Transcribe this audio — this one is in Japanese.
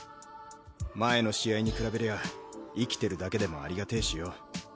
前の試合に比べりゃ生きてるだけでもありがてえしよ。